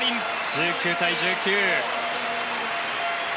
１９対１９。